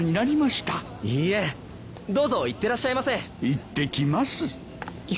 いってきます。